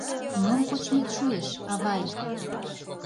Мом кочмет шуэш, авай?